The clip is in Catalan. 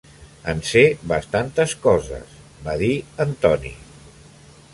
"En sé bastantes coses", va dir en Tony.